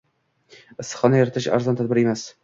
Issiqxona yaratish arzon tadbir emas